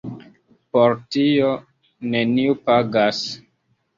Por tio neniu pagas.